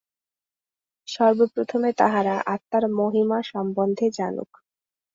সর্বপ্রথমে তাহারা আত্মার মহিমা সম্বন্ধে জানুক।